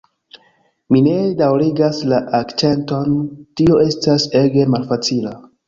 Mi ne daŭrigas la akĉenton tio estas ege malfacila